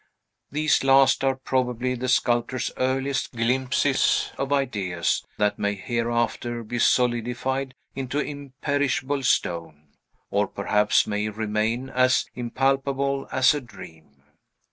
These last are probably the sculptor's earliest glimpses of ideas that may hereafter be solidified into imperishable stone, or perhaps may remain as impalpable as a dream.